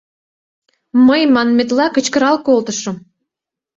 Мый, манметла, кычкырал колтышым: